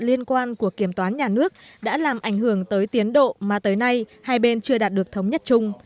liên quan của kiểm toán nhà nước đã làm ảnh hưởng tới tiến độ mà tới nay hai bên chưa đạt được thống nhất chung